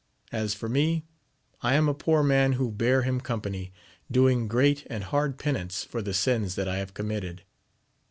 As for me, I am a poor man who bear him company, doing great and hard penance for the sins that I have committed.